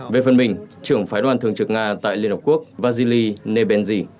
về phần mình trưởng phái đoàn thường trực nga tại liên hợp quốc vasily nebenzy